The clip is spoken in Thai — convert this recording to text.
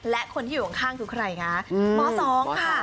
และคนที่อยู่ข้างคือใครคะหมอสองค่ะ